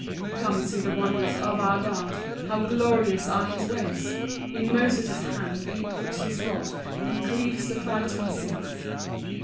3 [Come, see the wonders of our God, How glorious are his ways: In Moses' hand he puts his rod, And cleaves the frighted seas.